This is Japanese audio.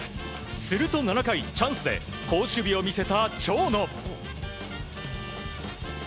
すると７回チャンスで好守備を見せた長野。